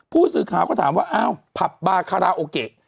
ผู้สื่อข่าวก็ถามว่าอ้าวผับบาคาราโอเกะ